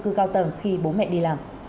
cư cao tầng khi bố mẹ đi làm